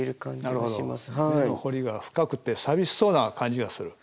彫りが深くて寂しそうな感じがする。